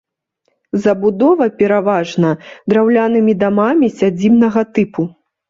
Забудова пераважна драўлянымі дамамі сядзібнага тыпу.